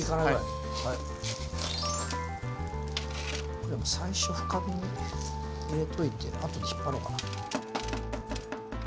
これ最初深めに入れといて後で引っ張ろうかな。